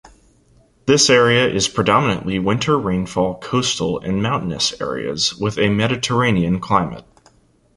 This area is predominantly winter rainfall coastal and mountainous areas with a Mediterranean climate.